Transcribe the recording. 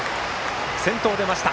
先頭が出ました。